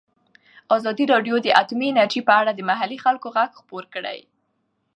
ازادي راډیو د اټومي انرژي په اړه د محلي خلکو غږ خپور کړی.